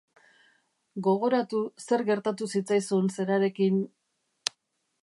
Gogoratu zer gertatu zitzaizun zerarekin...